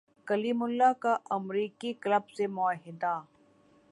کلیم اللہ کا امریکی کلب سے معاہدہ